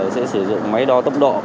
sẽ sử dụng máy đo tốc độ